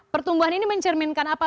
pertumbuhan ini mencerminkan apa